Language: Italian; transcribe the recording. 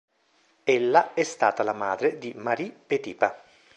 Ella è stata la madre di Marie Petipa.